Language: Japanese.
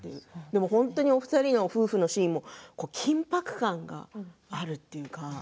でも本当にお二人の夫婦のシーンも緊迫感があるというか。